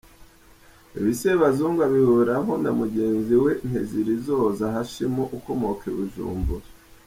Ibi Sebazungu abihuriraho na mugenzi we Ntezirizoza Hashim ukomoka i Bujumbura.